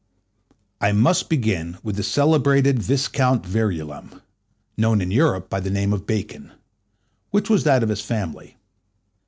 I must begin with the celebrated Viscount Verulam, known in Europe by the name of Bacon, which was that of his family.